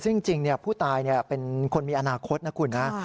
ซึ่งจริงผู้ตายเป็นคนมีอนาคตนะคุณนะ